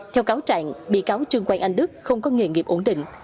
theo cáo trạng bị cáo trương quang anh đức không có nghề nghiệp ổn định